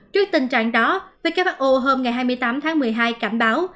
trước tình trạng đó who hôm hai mươi tám tháng một mươi hai cảm báo